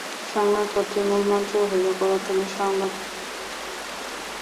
সংবাদপত্রের মূলমন্ত্র হ'ল "প্রথমে সংবাদ ও এর পিছনের খবর"।